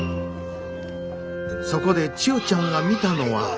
そこで千代ちゃんが見たのは。